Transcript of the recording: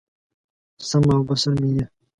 سمع او بصر مې یې